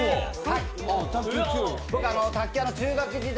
僕、卓球、中学時代